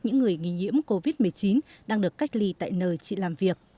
những người nghi nhiễm covid một mươi chín đang được cách ly tại nơi chị làm việc